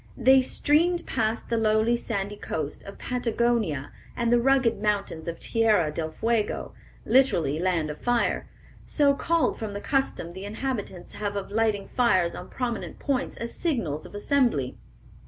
They "steamed past the low sandy coast of Patagonia and the rugged mountains of Tierra del Fuego, literally, Land of Fire, so called from the custom the inhabitants have of lighting fires on prominent points as signals of assembly."